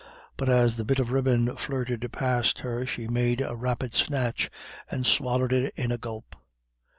But as the bit of ribbon flirted past her she made a rapid snatch, and swallowed it at a gulp.